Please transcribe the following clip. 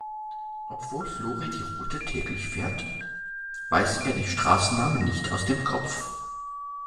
Obwohl Flori die Route täglich fährt, weiß er die Straßennamen nicht aus dem Kopf.